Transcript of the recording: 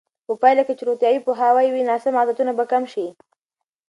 په پایله کې چې روغتیایي پوهاوی وي، ناسم عادتونه به کم شي.